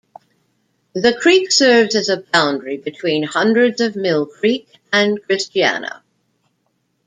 The creek serves as a boundary between the Hundreds of Mill Creek and Christiana.